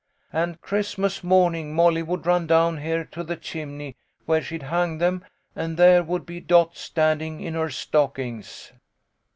And Christmas morning Molly would run down here to the chimney where she'd hung them, and there would be Dot standing in her stockings."